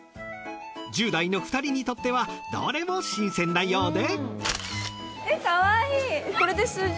１０代の２人にとってはどれも新鮮なようで。